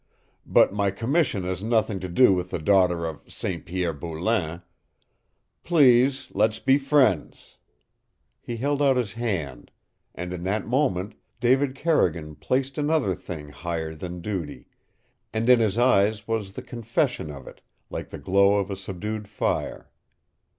But my commission has nothing to do with the daughter of St. Pierre Boulain. Please let's be friends " He held out his hand; and in that moment David Carrigan placed another thing higher than duty and in his eyes was the confession of it, like the glow of a subdued fire.